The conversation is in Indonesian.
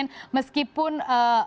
namun secara fundamental tampaknya